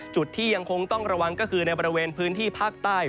จุดที่ยังคงต้องระวังก็คือในบริเวณพื้นที่ภาคใต้